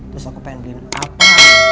terus aku pengen bikin apa